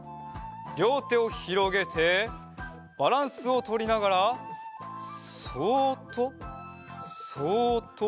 りょうてをひろげてバランスをとりながらそっとそっとそっと。